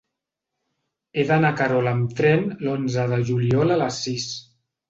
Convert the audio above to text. He d'anar a Querol amb tren l'onze de juliol a les sis.